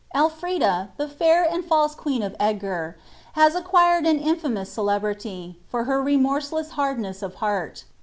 K. Elfrlda. the fair and false queen of Edgar, has acquired an InfatnouB Jeeietirity, for ber rcuiorselesa liardncss of he&it.